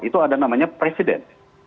itu ada namanya presiden